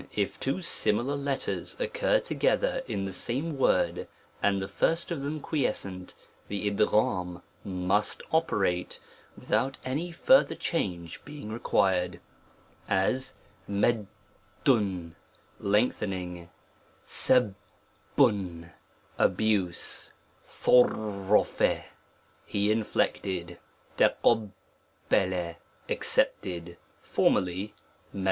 IF two similar letters occur together in the same word, and the first of them quiescent, o the U^I must operate without any further change s * w being required ; as *, lengthening, U^M abuse, <_3 >*^ ^e inflected, juiti accepted; formerly II.